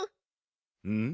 うん？